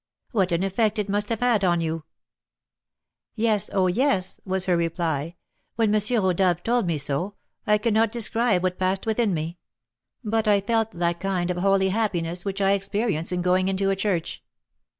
What an effect it must have had on you!' 'Yes, oh, yes,' was her reply; 'when M. Rodolph told me so, I cannot describe what passed within me; but I felt that kind of holy happiness which I experience in going into a church.